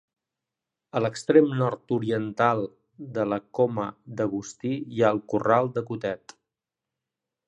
A l'extrem nord-oriental de la Coma d'Agustí hi ha el Corral de Cotet.